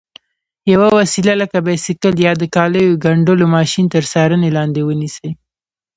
یوه وسیله لکه بایسکل یا د کالیو ګنډلو ماشین تر څارنې لاندې ونیسئ.